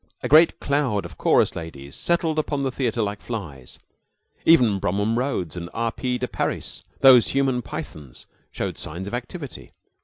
A great cloud of chorus ladies settled upon the theater like flies. Even Bromham Rhodes and R. P. de Parys those human pythons showed signs of activity.